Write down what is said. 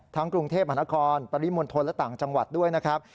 กรุงเทพมหานครปริมณฑลและต่างจังหวัดด้วยนะครับ